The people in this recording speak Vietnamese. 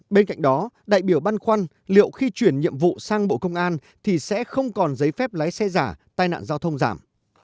bên cạnh đó đại biểu băn khoăn liệu khi chuyển nhiệm vụ sang bộ công an thì sẽ không còn giấy phép lái xe giả tai nạn giao thông giảm